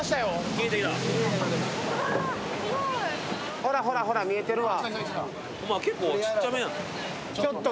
ほらほらほら、見えてるわ。